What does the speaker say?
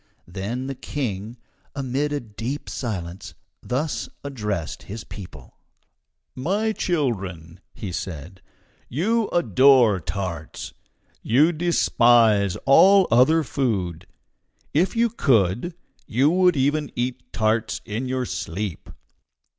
Thence the King, amid a deep silence, thus addressed his people: "My children," said he, "you adore tarts. You despise all other food. If you could, you would even eat tarts in your sleep.